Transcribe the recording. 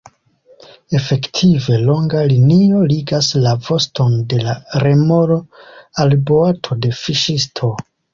Efektive, longa linio ligas la voston de la remoro al boato de fiŝisto.